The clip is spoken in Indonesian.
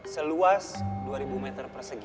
seluas dua ribu meter persegi